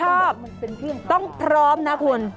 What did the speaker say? ชอบต้องพร้อมนะคุณ